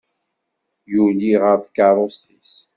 Yuli ɣer tkeṛṛust-is.